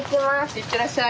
いってらっしゃい。